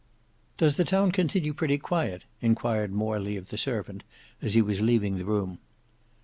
"Does the town continue pretty quiet?" enquired Morley of the servant as he was leaving the room.